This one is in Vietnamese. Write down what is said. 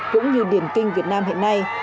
cũng như điển kinh việt nam hiện nay